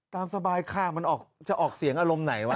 ตามสบายค่ะมันจะออกเสียงอารมณ์ไหนวะ